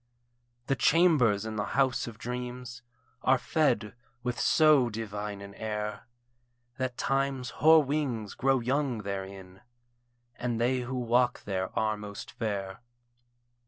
The chambers in the house of dreams Are fed with so divine an air, That Time's hoar wings grow young therein, And they who walk there are most fair.